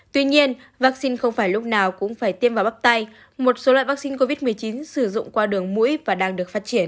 tuy nhiên vaccine không phải lúc nào cũng phải tiêm vào bóc tay một số loại vaccine covid một mươi chín sử dụng qua đường mũi và đang được phát triển